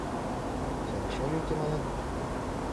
— Замечаний уке, манат?